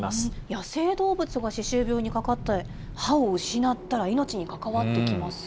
野生動物が歯周病にかかって歯を失ったら命に関わってきます